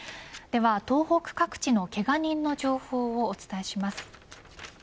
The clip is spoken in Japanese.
では東北各地のけが人の情報をお伝えします。